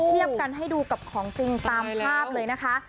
เทียบกันให้ดูกับของจริงตามภาพเลยนะคะ